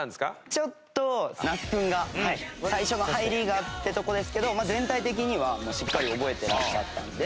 ちょっと那須君が最初の入りがってとこですけど全体的にはしっかり覚えてらっしゃったんで。